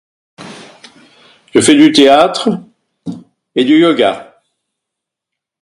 Je fais du théâtre, et du yoga.